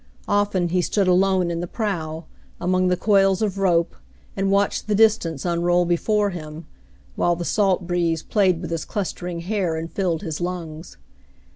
Often he stood alone in the prow, among the coils of rope, and watched the distance unroll before him, while the salt breeze played with his clustering hair and filled his lungs.